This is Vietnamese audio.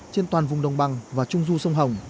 trên toàn vùng đồng bằng và trung du sông hồng